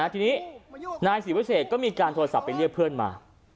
ทีนี้นายศรีวเศษก็มีการโทรศัพท์ไปเรียกเพื่อนมา